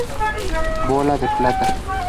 Bola de Plata